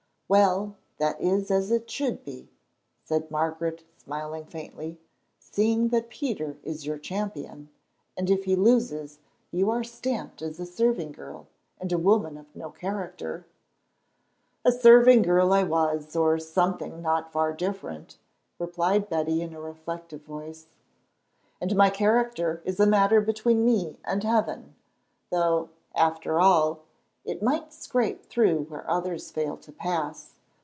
"Well, that is as it should be," said Margaret, smiling faintly, "seeing that Peter is your champion, and if he loses, you are stamped as a serving girl, and a woman of no character." "A serving girl I was, or something not far different," replied Betty in a reflective voice, "and my character is a matter between me and Heaven, though, after all, it might scrape through where others fail to pass.